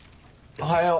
おはよう。